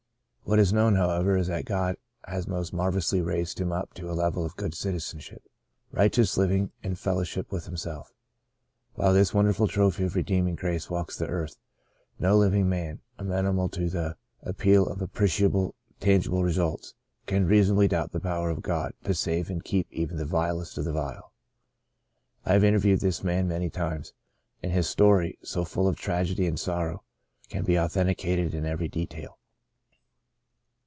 What is known, however, is that God has most marvellously raised him up to a level of good citizenship, righteous liv ing, and fellowship with Himself. While this wonderful trophy of redeeming grace walks the earth, no living man, amenable to the appeal of appreciable, tangible results, can reasonably doubt the power of God to save and keep even the vilest of the vile. I have interviewed this man many times, and his 1 86 Saved to the Uttermost story, so full of tragedy and sorrow, can be authenticated in every detail.